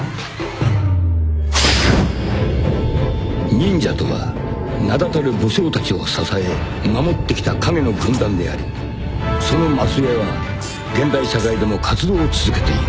［忍者とは名だたる武将たちを支え守ってきた影の軍団でありその末裔は現代社会でも活動を続けている］